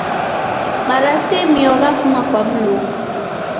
Marasimio ghafuma kwa Mlungu.